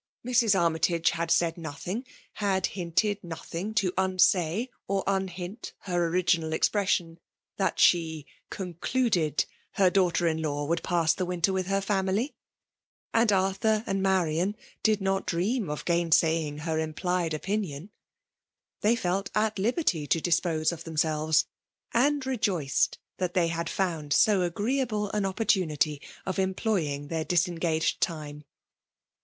Mrs. Armytage hlu| sai4 nothing, had hinted nothing, to unsay or ua hint her original expression that she '* eoii^ eluded'* her daughter* in law would pass th^ winter with her family ; and Arthur and Ma^ rian did not dream of gainsaying her implied opinion. They felt at Uberty to dispose of themselves ; and rejoiced that they had found so agreeable an opportunity of employing their disengaged time.